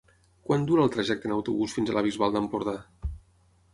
Quant dura el trajecte en autobús fins a la Bisbal d'Empordà?